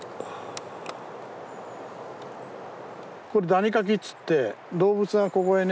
これ「ダニかき」つって動物がここへね